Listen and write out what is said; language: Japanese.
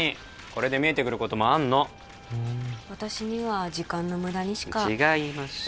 これで見えてくることもあんのふん私には時間の無駄にしか違います